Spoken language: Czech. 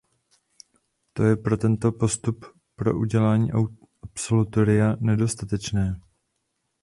To je pro tento postup pro udělení absolutoria nedostatečné.